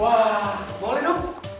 wah boleh dong